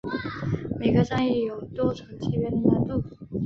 每个战役有多种级别的难度。